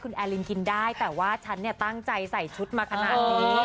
คุณแอลินกินได้แต่ว่าฉันตั้งใจใส่ชุดมาขนาดนี้